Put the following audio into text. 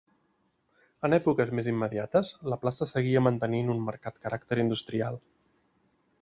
En èpoques més immediates la Plaça seguia mantenint un marcat caràcter industrial.